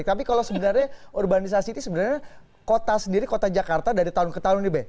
tapi kalau sebenarnya urbanisasi ini sebenarnya kota sendiri kota jakarta dari tahun ke tahun nih be